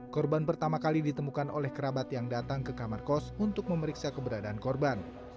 korban pertama kali ditemukan oleh kerabat yang datang ke kamar kos untuk memeriksa keberadaan korban